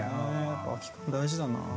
空きカン大事だな。